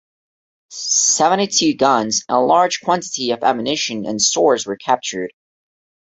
Seventy-two guns and a large quantity of ammunition and stores were captured.